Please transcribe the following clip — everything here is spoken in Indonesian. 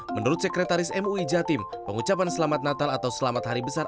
menurut sekretaris mui jatim pengucapan selamat natal atau selamat hari besar